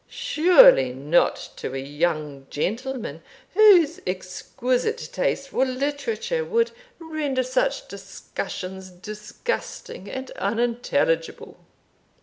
Surely not to a young gentleman whose exquisite taste for literature would render such discussions disgusting and unintelligible."